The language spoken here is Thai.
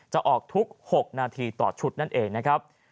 จะออกทุก๖นาทีต่อชุดนั่นเองนะครับ